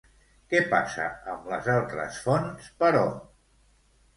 Què passa amb les altres fonts, però?